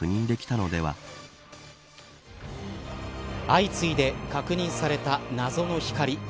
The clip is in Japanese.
相次いで確認された謎の光。